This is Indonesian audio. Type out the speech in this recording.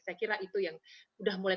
saya kira itu yang sudah mulai